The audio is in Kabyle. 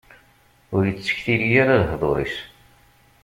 Ur ittektili ara lehḍur-is.